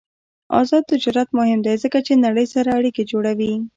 آزاد تجارت مهم دی ځکه چې نړۍ سره اړیکې جوړوي.